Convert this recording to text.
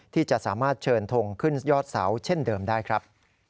ที่จะสามารถเชิญทงขึ้นยอดเสาเช่นเดิมได้ครับ